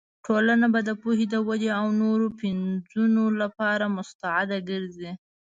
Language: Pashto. ټولنه به د پوهې، ودې او نوو پنځونو لپاره مستعده ګرځوې.